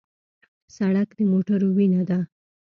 سړک د موټرو وینه ده.